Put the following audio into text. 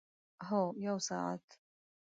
هو، یوه ساعت